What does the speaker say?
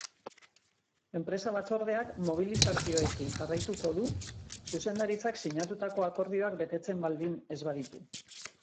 Enpresa batzordeak mobilizazioekin jarraituko du zuzendaritzak sinatutako akordioak betetzen baldin ez baditu.